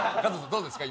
どうですか？